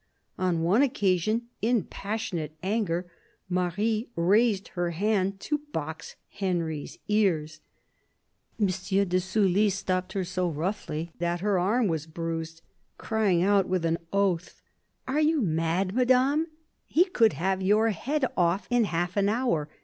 On one occasion, in passionate anger, Marie raised her hand to box Henry's ears I " M. de Sully stopped her so roughly that her arm was bruised, crying out with an oath :' Are you mad, Madame ? He could have your head off in half an hour.